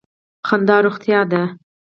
خندا روغتیا ده.